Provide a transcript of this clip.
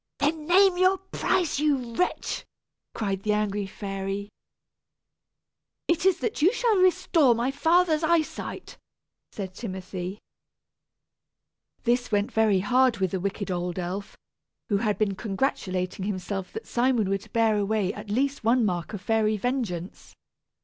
"Then name your price, you wretch!" cried the angry fairy. "It is that you shall restore my father's eye sight," said Timothy. This went very hard with the wicked old elf, who had been congratulating himself that Simon would bear away at least one mark of fairy vengeance.